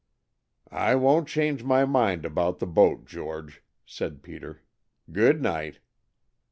"I won't change my mind about the boat, George," said Peter. "Good night."